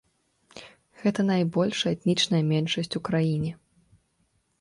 Гэта найбольшая этнічная меншасць у краіне.